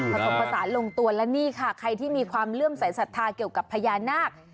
ผสมผสานลงตัวและนี่ค่ะใครที่มีความเลื่อมสายศรัทธาเกี่ยวกับพญานาค